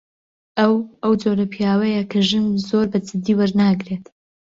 ئەو، ئەو جۆرە پیاوەیە کە ژن زۆر بەجددی وەرناگرێت.